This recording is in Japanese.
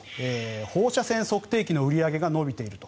放射線測定器の売り上げが伸びていると。